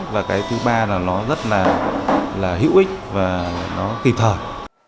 và cái thứ ba là nó rất là hữu ích và nó kịp thời